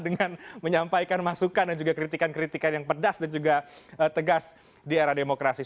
dengan menyampaikan masukan dan juga kritikan kritikan yang pedas dan juga tegas di era demokrasi